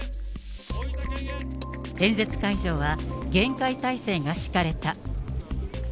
演説会場は厳戒態勢が敷かれた。